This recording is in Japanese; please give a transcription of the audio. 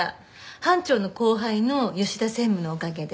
班長の後輩の吉田専務のおかげで。